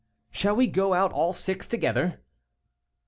"Shall we go out all six together?"